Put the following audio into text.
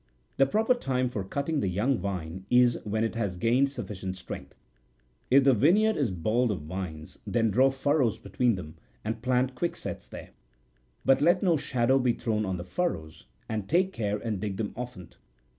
The proper time for cutting the young vine, is when it has gained sufficient strength. If the vineyard is bald of vines, then draw furrows between them, and plant quicksets there : but let no shadow be thrown on the furrows, and take care and dig them often.